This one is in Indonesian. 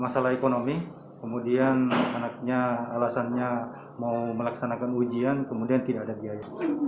masalah ekonomi kemudian anaknya alasannya mau melaksanakan ujian kemudian tidak ada biaya